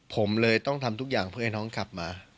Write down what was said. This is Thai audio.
ผมเลยต้องทำทุกอย่างเพื่อให้น้องกลับมา